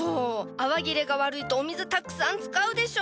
泡切れが悪いとお水たくさん使うでしょ！？